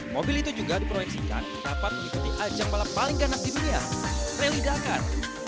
mobil itu juga diproyeksikan dapat mengikuti ajang balap paling ganas di dunia rally dagar